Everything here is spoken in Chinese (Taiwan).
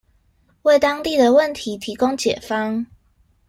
為當地的問題提供解方